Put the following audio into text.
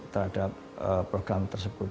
terhadap program tersebut